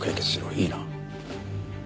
いいな？